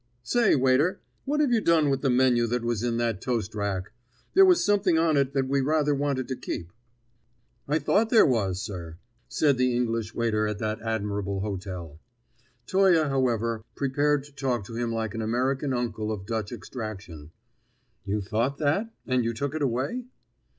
"Say, waiter, what have you done with the menu that was in that toast rack? There was something on it that we rather wanted to keep." "I thought there was, sir," said the English waiter at that admirable hotel. Toye, however, prepared to talk to him like an American uncle of Dutch extraction. "You thought that, and you took it away?"